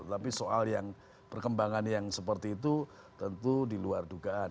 tapi soal yang perkembangan yang seperti itu tentu diluar dugaan